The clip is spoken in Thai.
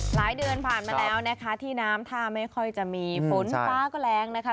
หลายเดือนผ่านมาแล้วนะคะที่น้ำท่าไม่ค่อยจะมีฝนฟ้าก็แรงนะคะ